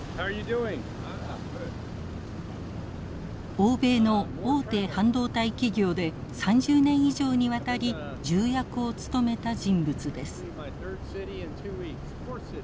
欧米の大手半導体企業で３０年以上にわたり重役を務めた人物です。